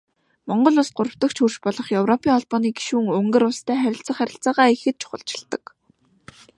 Монгол Улс гуравдагч хөрш болох Европын Холбооны гишүүн Унгар улстай харилцах харилцаагаа ихэд чухалчилдаг.